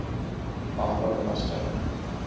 মাফ করবেন, মাস্টার।